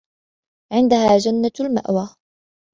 عِنْدَهَا جَنَّةُ الْمَأْوَى